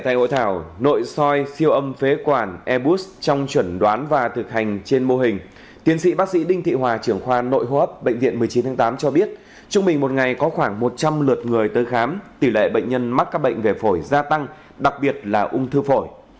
nội hô hấp bệnh viện một mươi chín tháng tám cho biết trung bình một ngày có khoảng một trăm linh lượt người tới khám tỷ lệ bệnh nhân mắc các bệnh về phổi gia tăng đặc biệt là ung thư phổi